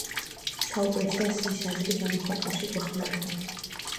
საუბრისას ის აზრის გამოხატვაში გვეხმარება.